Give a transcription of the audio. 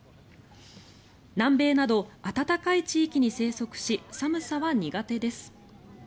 南米など暖かい地域に生息し寒さは苦手です。